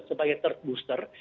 sebagai third booster